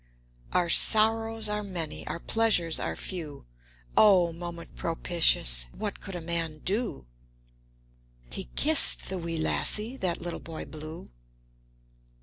Our sorrows are many, our pleasures are few; O moment propitious! What could a man do? He kissed the wee lassie, that Little Boy Blue!